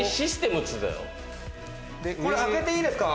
開けていいですか？